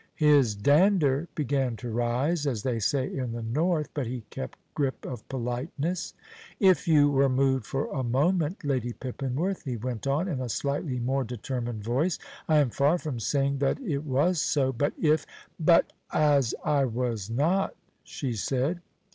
His dander began to rise, as they say in the north; but he kept grip of politeness. "If you were moved for a moment, Lady Pippinworth," he went on, in a slightly more determined voice, "I am far from saying that it was so; but if " "But as I was not " she said.